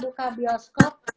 dia buka bioskop